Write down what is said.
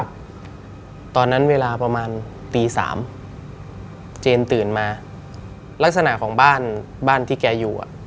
ตอนนั้นเวลาประมาณตีสามเจนตื่นมาลักษณะของบ้านบ้านที่แกอยู่อ่ะ